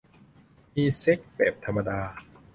มีเซ็กส์แบบธรรมดา